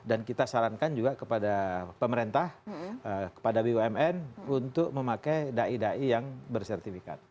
jadi kita sarankan juga kepada pemerintah kepada bumn untuk memakai dai dai yang bersertifikat